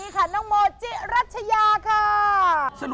คนนี้สวยที่สุดตอนนี้ค่ะน้องโมจิรัชยาค่ะ